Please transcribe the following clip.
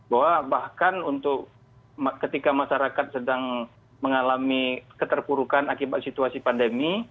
bahwa bahkan untuk ketika masyarakat sedang mengalami keterpurukan akibat situasi pandemi